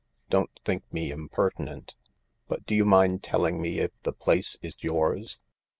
Don't think me impertinent— but do you mind telling me if the place is yours